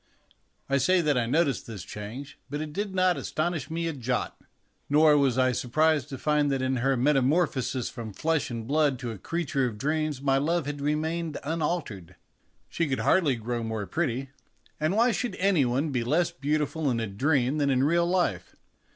I say that I noticed this change, but it did not astonish me a jot. Nor was I surprised to find that in her metamorphosis from flesh and blood to a creature of dreams my love had remained unaltered. She could hardly grow more pretty ; and why should any one be less beautiful in a dream than in real life?